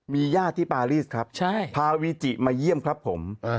มีญาติที่ปารีสครับพาวีจิมาเยี่ยมครับผม